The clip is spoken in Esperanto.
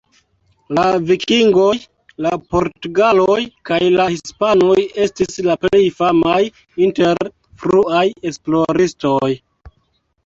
La vikingoj, la portugaloj, kaj la hispanoj estis la plej famaj inter fruaj esploristoj.